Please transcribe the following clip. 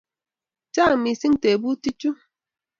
Chang' missing' tyebutik chu.